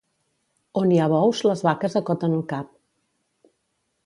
On hi ha bous les vaques acoten el cap.